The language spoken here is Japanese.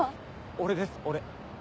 俺です俺。